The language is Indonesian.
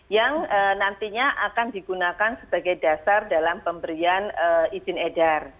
yang nantinya akan digunakan sebagai dasar dalam pemberian izin edar